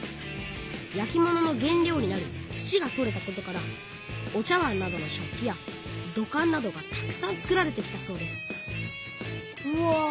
焼き物の原料になる土がとれたことからお茶わんなどの食器や土管などがたくさん作られてきたそうですうわ